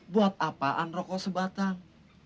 buat apaan rokok sebatang